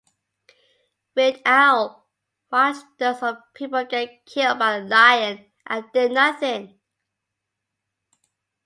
Weird Al watched dozens of people get killed by a lion and did nothing.